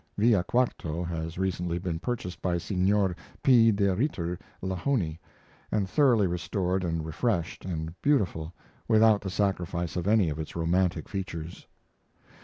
[Villa Quarto has recently been purchased by Signor P. de Ritter Lahony, and thoroughly restored and refreshed and beautified without the sacrifice of any of its romantic features.